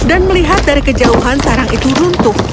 dan melihat dari kejauhan sarang itu runtuh